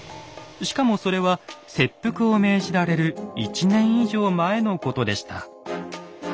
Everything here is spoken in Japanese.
しかもそれは切腹を命じられる１年以上前のことでした。